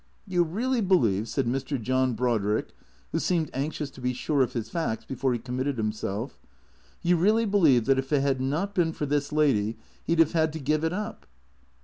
" You really believe," said Mr. John Brodrick, who seemed anxious to be sure of his facts before he committed himself, " you really believe that if it had not been for this lady he 'd have had to give it up